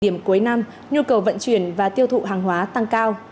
điểm cuối năm nhu cầu vận chuyển và tiêu thụ hàng hóa tăng cao